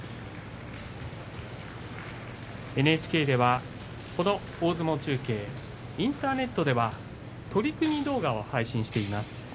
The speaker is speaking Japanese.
ＮＨＫではこの大相撲中継インターネットでは取組動画を配信しています。